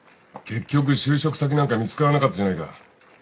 結局就職先なんか見つからなかったじゃないか。